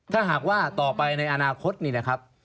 ถ้าหากว่าต่อไปในอนาคตนี่นะครับ